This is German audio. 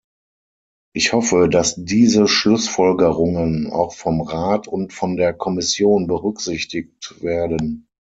Ich hoffe, dass diese Schlussfolgerungen auch vom Rat und von der Kommission berücksichtigt werden.